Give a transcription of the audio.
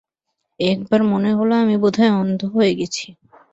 একবার মনে হল আমি বোধহয় অন্ধ হয়ে গেছি।